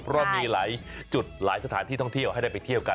เพราะมีหลายจุดหลายสถานที่ท่องเที่ยวให้ได้ไปเที่ยวกัน